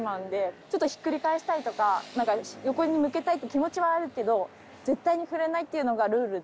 ちょっとひっくり返したいとかなんか横に向けたいって気持ちはあるけど絶対に触れないっていうのがルールで。